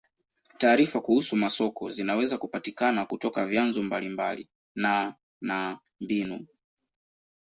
Taarifa kuhusu masoko zinaweza kupatikana kutoka vyanzo mbalimbali na na mbinu.